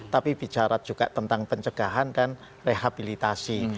tapi bicara juga tentang pencegahan dan rehabilitasi